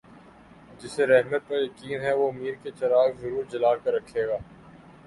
جسے رحمت پر یقین ہے وہ امید کے چراغ ضرور جلا کر رکھے گا